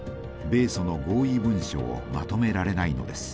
米ソの合意文書をまとめられないのです。